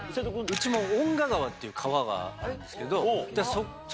うちも遠賀川っていう川があるんですけど。